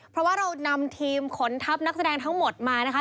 เพราะว่าเรานำทีมขนทัพนักแสดงทั้งหมดมานะคะ